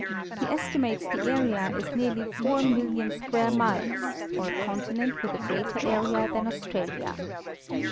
He estimates the area as nearly 4,000,000 square miles, or a continent with a greater area than Australia.